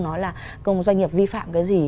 nói là doanh nghiệp vi phạm cái gì